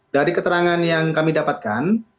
dari keterangan yang kami dapatkan